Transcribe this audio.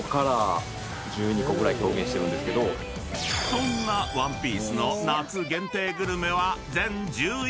［そんな『ワンピース』の夏限定グルメは］